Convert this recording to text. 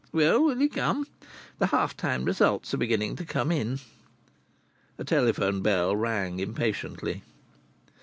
Well, will you come? The half time results are beginning to come in." A telephone bell rang impatiently.